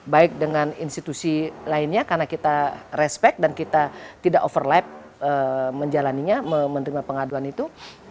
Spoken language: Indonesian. baik dengan institusi lainnya karena kita respect dan kita tidak overlap menjalannya menerima pengaduan itu